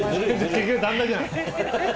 結局旦那じゃん。